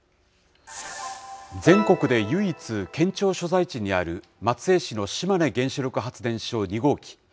全国で唯一、県庁所在地にある松江市の島根原子力発電所２号機。